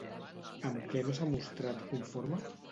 Amb què no s'ha mostrat conforme?